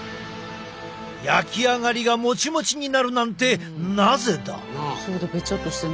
焼き上がりがモチモチになるなんてなぜだ？